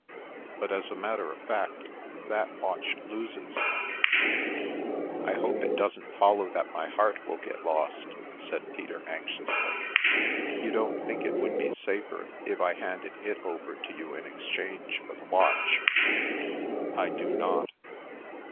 But, as a matter of fact, that watch loses/' " I hope it doesn't follow that my heart will get lost," said Peter anxiously. " You don't think it would be safer if I handed it over to you in exchange for the watch ?"" I do not."